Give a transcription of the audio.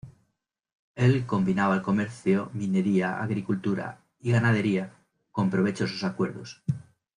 Él combinaba el comercio, minería, agricultura y ganadería, con provechosos acuerdos.